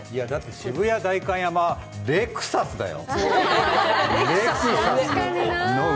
渋谷、代官山レクサスだよ。